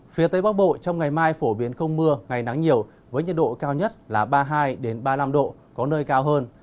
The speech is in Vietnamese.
phía tây bắc bộ trong ngày mai phổ biến không mưa ngày nắng nhiều với nhiệt độ cao nhất là ba mươi hai ba mươi năm độ có nơi cao hơn